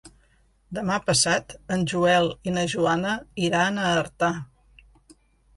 Demà passat en Joel i na Joana iran a Artà.